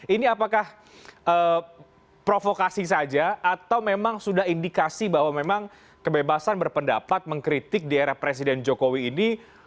ini apakah provokasi saja atau memang sudah indikasi bahwa memang kebebasan berpendapat mengkritik di era presiden jokowi ini